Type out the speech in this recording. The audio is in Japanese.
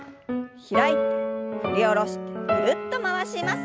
開いて振り下ろしてぐるっと回します。